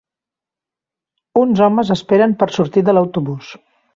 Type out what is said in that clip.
Uns homes esperen per sortir de l'autobús.